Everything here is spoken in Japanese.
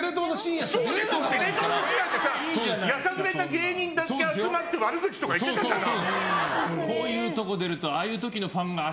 テレ東の深夜ってさやさぐれた芸人だけ集まって悪口とか言ってたじゃない。